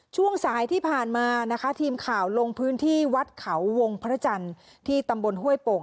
ช่วงสายที่ผ่านมานะคะทีมข่าวลงพื้นที่วัดเขาวงพระจันทร์ที่ตำบลห้วยโป่ง